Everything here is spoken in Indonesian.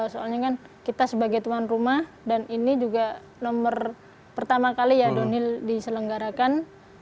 soalnya kan kita sebagai tuan rumah dan ini juga nomor pertama kali ya donil diselenggarakan